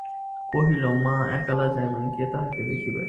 কহিল, মা একলা যাইবেন, কে তাঁহাকে দেখিবে।